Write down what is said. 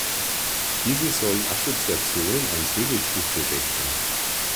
Diese sollen Assoziationen an Segelschiffe wecken.